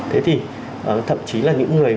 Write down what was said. thế thì thậm chí là những người